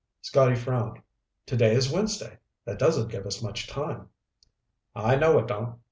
Scotty frowned. "Today is Wednesday. That doesn't give us much time." "I know it don't.